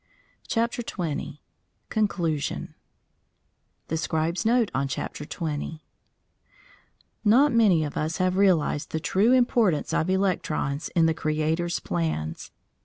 CHAPTER XX CONCLUSION THE SCRIBE'S NOTE ON CHAPTER TWENTY Not many of us have realised the true importance of electrons in the Creator's plans.